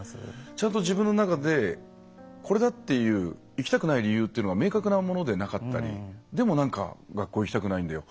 ちゃんと自分の中でこれだっていう行きたくない理由っていうのが明確なものでなかったりでも、なんか学校行きたくないんだよ。